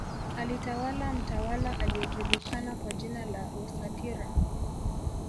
Alitawala mtawala aliyejuliakana kwa jina la Rusatira